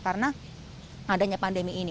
karena adanya pandemi ini